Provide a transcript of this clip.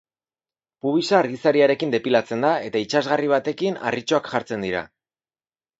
Pubisa argizariarekin depilatzen da eta itsasgarri batekin harritxoak jartzen dira.